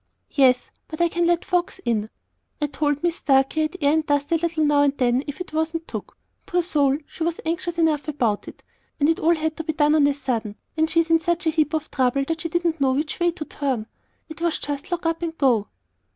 "Yes; but I can let folks in. I told Mis Starkey I'd air and dust a little now and then, if it wasn't took. Poor soul! she was anxious enough about it; and it all had to be done on a sudden, and she in such a heap of trouble that she didn't know which way to turn. It was just lock up and go!"